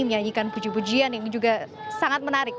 menyanyikan puji pujian yang juga sangat menarik